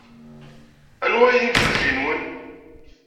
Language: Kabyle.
Anwa ay d imsujji-nwen?